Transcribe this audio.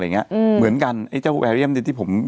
มีสารตั้งต้นเนี่ยคือยาเคเนี่ยใช่ไหมคะ